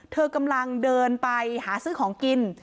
เธอกำลังเดินไปหาซื้อของกิน